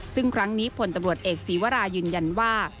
ซึ่งครั้งนี้ผลตำรวจเอกศีวรายืนยันว่า